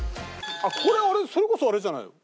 これあれそれこそあれじゃないの？